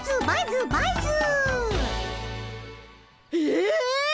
えっ！